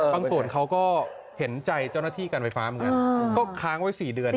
ส่วนเขาก็เห็นใจเจ้าหน้าที่การไฟฟ้าเหมือนกันก็ค้างไว้๔เดือน